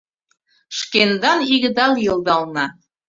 Шкендан игыда лийылдална.